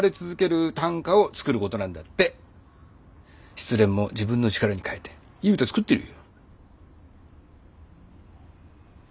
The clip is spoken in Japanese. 失恋も自分の力に変えていい歌作ってるよ。